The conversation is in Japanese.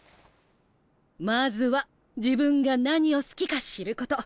まずは自分が何を好きか知ること。